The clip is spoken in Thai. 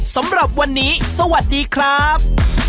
สำหรับวันนี้สวัสดีครับ